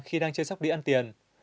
khi đang chơi sóc đi ăn tiền